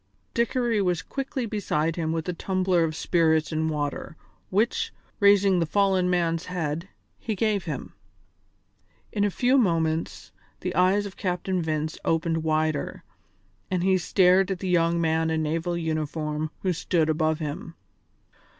Dickory was quickly beside him with a tumbler of spirits and water, which, raising the fallen man's head, he gave him. In a few moments the eyes of Captain Vince opened wider, and he stared at the young man in naval uniform who stood above him.